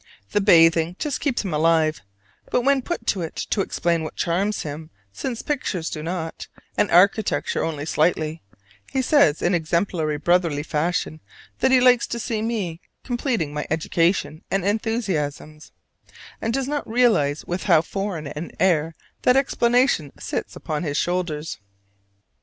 The bathing just keeps him alive; but when put to it to explain what charms him since pictures do not, and architecture only slightly, he says in exemplary brotherly fashion that he likes to see me completing my education and enthusiasms, and does not realize with how foreign an air that explanation sits upon his shoulders.